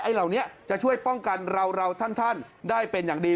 เหล่านี้จะช่วยป้องกันเราท่านได้เป็นอย่างดี